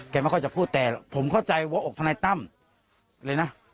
ไม่ค่อยจะพูดแต่ผมเข้าใจหัวอกทนายตั้มเลยนะ